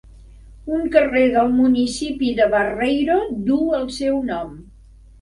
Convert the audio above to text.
Un carrer del municipi de Barreiro duu el seu nom.